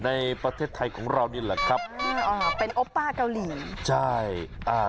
ในประเทศไทยของเรานี่แหละครับอ่าเป็นโอป้าเกาหลีใช่อ่า